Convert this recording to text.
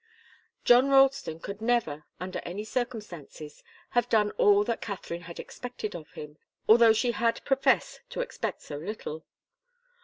John Ralston could never, under any circumstances, have done all that Katharine had expected of him, although she had professed to expect so little.